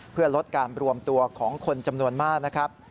เพื่อลดการรวมตัวของคนจำนวนมากนะครับ